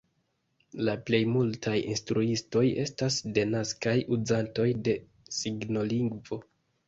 La plej multaj instruistoj estas denaskaj uzantoj de signolingvo.